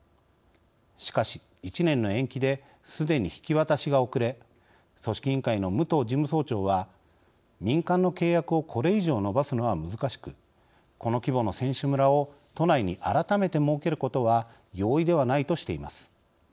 しかし、１年の延期ですでに引き渡しが遅れ組織委員会の武藤事務総長は民間の契約をこれ以上延ばすのは難しくこの規模の選手村を都内に改めて設けることは容易ではないとしています。